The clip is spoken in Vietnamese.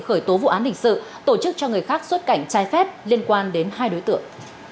khởi tố vụ án hình sự tổ chức cho người khác xuất cảnh trái phép liên quan đến hai đối tượng